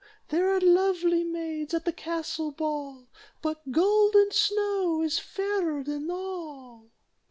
There are lovely maids at the castle ball, But Golden Snow is fairer than all."